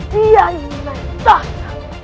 dia ingin menentangmu